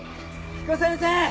彦先生！